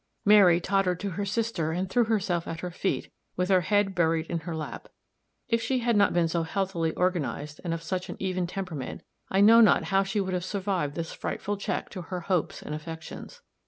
Mary tottered to her sister and threw herself at her feet, with her head buried in her lap; if she had not been so healthily organized, and of such an even temperament, I know not how she would have survived this frightful check to her hopes and affections.